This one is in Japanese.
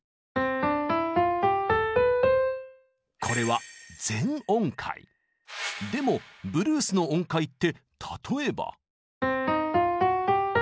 これはでもブルースの音階って例えば。